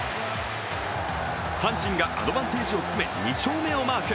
阪神がアドバンテージを含め２勝をマーク。